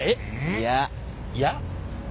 いや。いや？